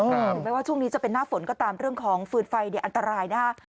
เห็นไหมว่าช่วงนี้จะเป็นหน้าฝนก็ตามเรื่องของฟืนไฟอันตรายนะครับ